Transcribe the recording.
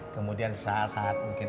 kemudian saat saat mungkin